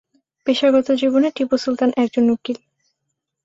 পেশাগত জীবনে টিপু সুলতান একজন উকিল।